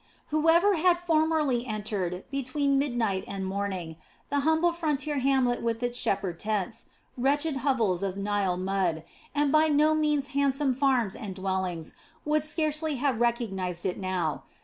Whoever had formerly entered, between midnight and morning, the humble frontier hamlet with its shepherd tents, wretched hovels of Nile mud, and by no means handsome farms and dwellings, would scarcely have recognized it now.